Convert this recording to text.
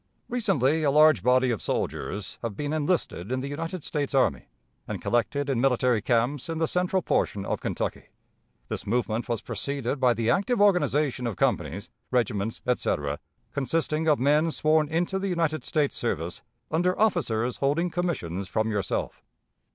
"Recently a large body of soldiers have been enlisted in the United States army and collected in military camps in the central portion of Kentucky. This movement was preceded by the active organization of companies, regiments, etc., consisting of men sworn into the United States service, under officers holding commissions from yourself.